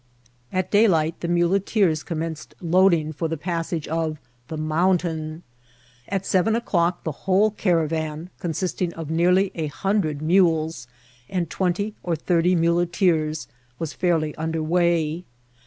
At daylight the muleteers commenced loading for the passage of ^* the Mountain." At seven o'clock the whole caravan, consisting of nearly a hundred mules and twenty or thirty muleteers, was fairly under way.